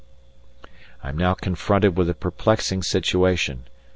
"] I am now confronted with a perplexing situation.